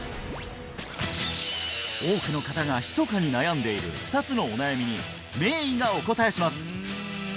多くの方がひそかに悩んでいる２つのお悩みに名医がお答えします！